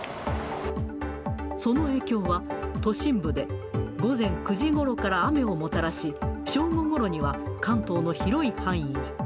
その影響は、都心部で午前９時ごろから雨をもたらし、正午ごろには関東の広い範囲に。